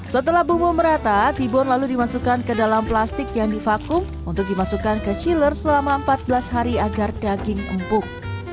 setelah bumbu merata tibon lalu dimasukkan ke dalam plastik yang divakung untuk dimasukkan ke chiller selama empat belas hari agar daging empuk